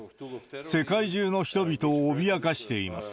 世界中の人々を脅かしています。